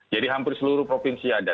jadi hampir seluruh provinsi ada